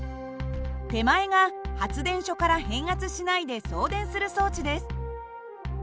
手前が発電所から変圧しないで送電する装置です。